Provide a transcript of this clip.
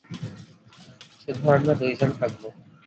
শুধু আমরা দুই জন থাকব।